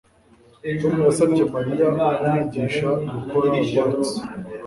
tom yasabye mariya kumwigisha gukora waltz